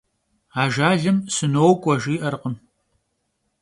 Ajjalım «sınok'ue» jji'erkhım.